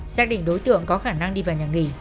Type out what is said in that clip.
xác định đối tượng có khả năng đi vào nhà nghỉ